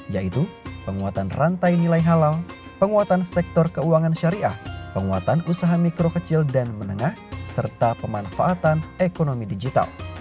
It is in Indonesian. yaitu penguatan rantai nilai halal penguatan sektor keuangan syariah penguatan usaha mikro kecil dan menengah serta pemanfaatan ekonomi digital